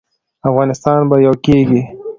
افغانستان به یو کیږي؟